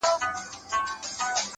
انسان د خپلو افکارو هنداره ده؛